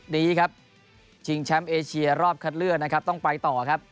ดีครับชิงแชมป์เอเชียรอบคัดเลือกนะครับต้องไปต่อครับ